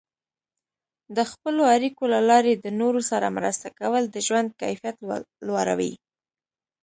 د خپلو اړیکو له لارې د نورو سره مرسته کول د ژوند کیفیت لوړوي.